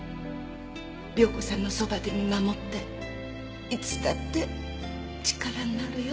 亮子さんのそばで見守っていつだって力になるよ。